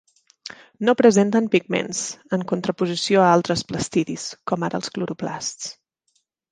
No presenten pigments, en contraposició a altres plastidis, com ara els cloroplasts.